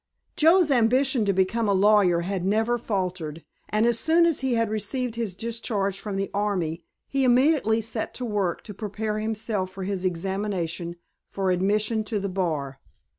Joe's ambition to become a lawyer had never faltered, and as soon as he had received his discharge from the army he immediately set to work to prepare himself for his examination for admission to the bar.